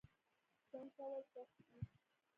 ژوند کول سخت دي